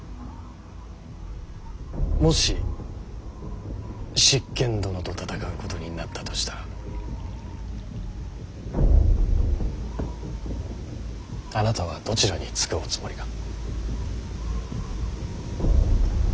もし執権殿と戦うことになったとしたらあなたはどちらにつくおつもりか。